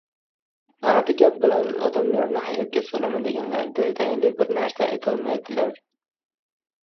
G‘alati gap bilan odamlarni hayratga solaman deganlarida tayinli bir iarsa aytolmaydilar.